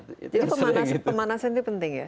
jadi pemanasan itu penting ya